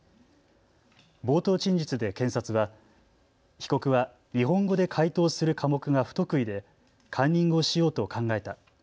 冒頭陳述で検察は被告は日本語で解答する科目が不得意でカンニングをしようと考えた。